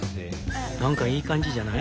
何かいい感じじゃない？